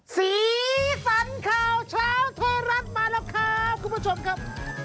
สีสันข่าวเช้าไทยรัฐมาแล้วครับคุณผู้ชมครับ